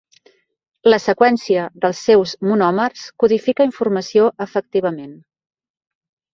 La seqüència dels seus monòmers codifica informació efectivament.